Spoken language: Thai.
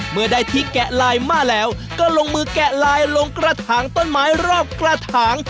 เมื่อได้ที่แกะลายมาแล้วก็ลงมือแกะลายลงกระถางต้นไม้รอบกระถาง